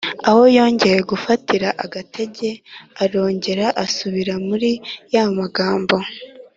aho yongeye gufatira agatege arongera asubira muri ya magambo